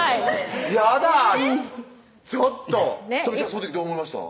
その時どう思いました？